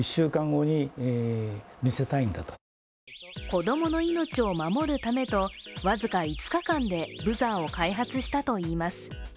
子供の命を守るためと僅か５日間でブザーを開発したといいます。